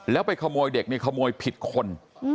แล้วไปขโมยเด็กนี่ขโมยผิดคน